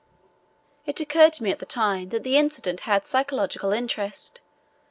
It occurred to me at the time that the incident had psychological interest.